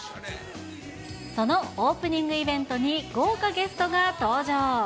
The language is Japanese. そのオープニングイベントに、豪華ゲストが登場。